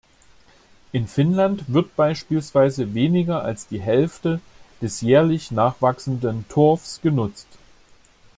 In Finnland wird beispielsweise weniger als die Hälfte des jährlich nachwachsenden Torfs genutzt.